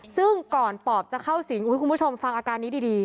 ซึ่งก่อนปอบจะเข้าสิงคุณผู้ชมฟังอาการนี้ดี